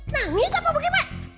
namis apa bukit mak